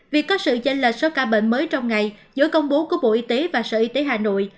việc có sự chênh lệch số ca bệnh mới trong ngày giữa công bố của bộ y tế và sở y tế hà nội